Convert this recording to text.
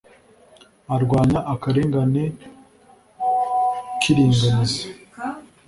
arwanya akarengane k'iringaniza